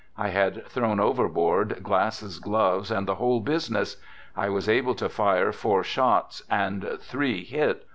I had thrown overboard glasses, gloves, and the whole business! I was able to fire four shots, and three hit.